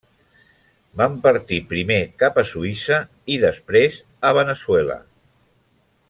Van partir primer cap a Suïssa i després a Veneçuela.